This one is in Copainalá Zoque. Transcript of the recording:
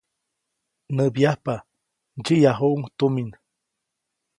Näbyajpa, ndsyiʼyajuʼuŋ tumin.